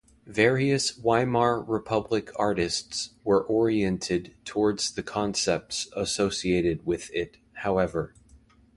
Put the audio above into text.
Various Weimar Republic artists were oriented towards the concepts associated with it, however.